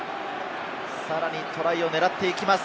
さらにトライを狙っていきます。